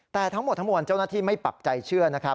แต่ทั้งหมดทั้งหมดเจ้าหน้าที่ไม่ปรับใจเชื่อ